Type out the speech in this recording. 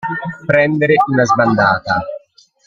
Prendere una sbandata.